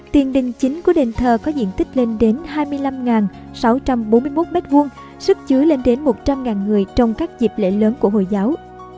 tiền đình chính của đền thờ có diện tích lên đến hai mươi năm sáu trăm bốn mươi một m hai sức chứa lên đến một trăm linh người trong các dịp lễ lớn của hồi giáo